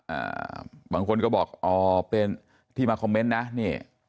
อ่าบางคนก็บอกอ๋อเป็นที่มาคอมเมนต์นะนี่